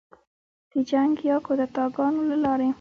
د جنګ یا کودتاه ګانو له لارې